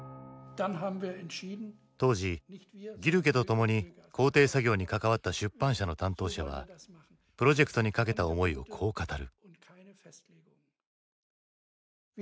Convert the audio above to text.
当時ギュルケと共に校訂作業に関わった出版社の担当者はプロジェクトに懸けた思いをこう語る。